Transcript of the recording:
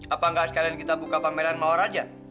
apakah sekalian kita buka pameran mawar aja